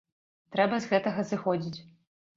Трэба з гэтага зыходзіць.